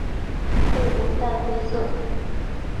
背部淡灰色。